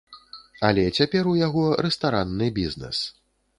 Але цяпер у яго рэстаранны бізнэс.